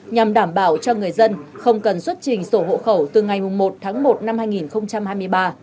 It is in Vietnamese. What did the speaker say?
nhằm đảm bảo cho người dân không cần xuất trình sổ hộ khẩu từ ngày một tháng một năm hai nghìn hai mươi ba